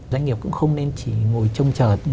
doanh nghiệp cũng không nên chỉ ngồi trông chờ